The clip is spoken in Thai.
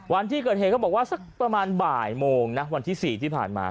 วันที่เกิดเหตุเขาบอกว่าสักประมาณบ่ายโมงนะวันที่๔ที่ผ่านมา